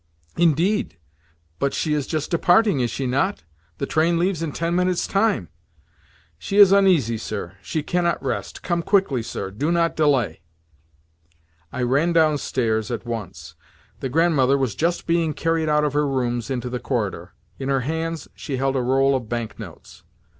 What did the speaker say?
"Indeed? But she is just departing, is she not? The train leaves in ten minutes' time." "She is uneasy, sir; she cannot rest. Come quickly, sir; do not delay." I ran downstairs at once. The Grandmother was just being carried out of her rooms into the corridor. In her hands she held a roll of bank notes.